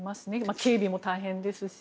警備も大変ですし。